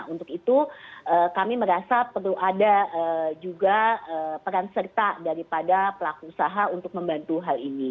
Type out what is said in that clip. untuk itu kami merasa perlu ada juga peran serta daripada pelaku usaha untuk membantu hal ini